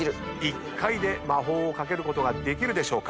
１回で魔法をかけることができるでしょうか。